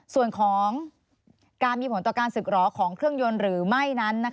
ส่วนของการมีผลต่อการศึกหรอของเครื่องยนต์หรือไม่นั้น